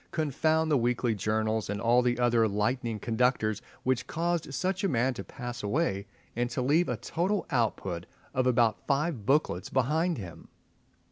Confound the weekly journals and all the other lightning conductors which caused such a man to pass away, and to leave a total output of about five booklets behind him!